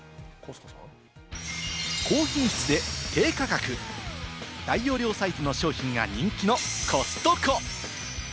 高品質で低価格、大容量サイズの商品が人気のコストコ。